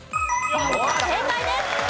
正解です！